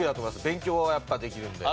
勉強がやっぱできるんで。